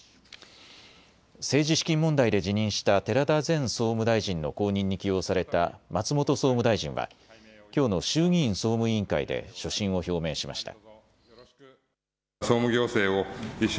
政治資金問題で辞任した寺田前総務大臣の後任に起用された松本総務大臣はきょうの衆議院総務委員会で所信を表明しました。